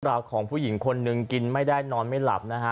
ราวของผู้หญิงคนหนึ่งกินไม่ได้นอนไม่หลับนะฮะ